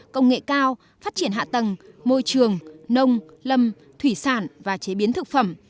công nghệ cao phát triển hạ tầng môi trường nông lâm thủy sản và chế biến thực phẩm